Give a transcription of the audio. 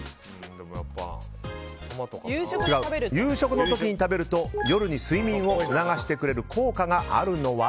夕食の時に食べると夜に睡眠を促してくれる効果があるのは？